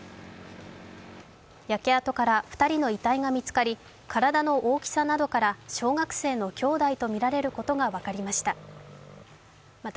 焼け跡から２人の遺体が見つかり、体の大きさなどから小学生のきょうだいとみられることが分かりました。